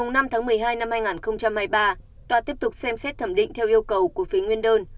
ngày năm tháng một mươi hai năm hai nghìn hai mươi ba tòa tiếp tục xem xét thẩm định theo yêu cầu của phía nguyên đơn